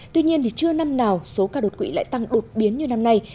tuy nhiên chưa năm nào số ca đột quỵ lại tăng đột biến như năm nay